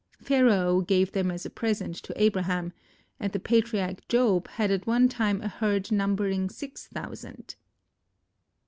Pharaoh gave them as a present to Abraham and the patriarch Job had at one time a herd numbering six thousand.